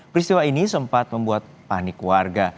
peristiwa ini sempat membuat panik warga